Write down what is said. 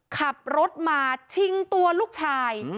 ขับรถมาชิงตัวลูกชาย